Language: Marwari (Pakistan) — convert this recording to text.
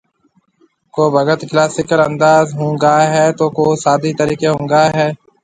ڪو ڀگت ڪلاسيڪل انداز ھونگاوي هي تو ڪو سادي طريقي ھونگاوي هي